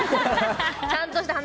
ちゃんとした話。